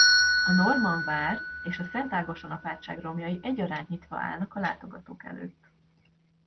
A normann vár és a Szent Ágoston-apátság romjai egyaránt nyitva állnak a látogatók előtt.